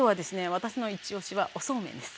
私の一押しはおそうめんです。